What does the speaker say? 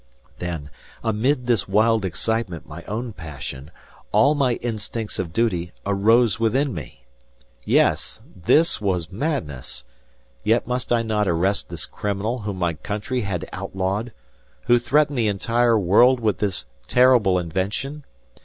Then amid this wild excitement my own passion, all my instincts of duty, arose within me! Yes, this was madness! Yet must I not arrest this criminal whom my country had outlawed, who threatened the entire world with his terrible invention?